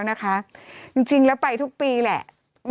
จำกัดจำนวนได้ไม่เกิน๕๐๐คนนะคะ